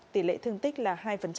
tỷ lệ thương tích là hai